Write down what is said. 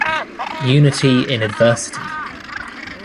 Unity in adversity!